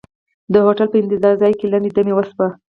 د هوټل په انتظار ځای کې لنډه دمې وشوه.